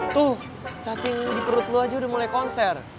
tuh cacing ini di perut lo aja udah mulai konser